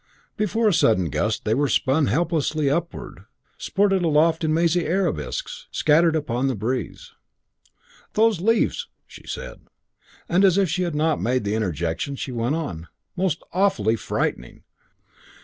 Before a sudden gust they were spun helplessly upward, sported aloft in mazy arabesques, scattered upon the breeze. "Those leaves!" she said. And as if she had not made the interjection she went on, "Most awfully frightening.